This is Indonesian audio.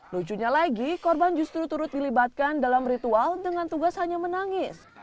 lucunya lagi korban justru turut dilibatkan dalam ritual dengan tugas hanya menangis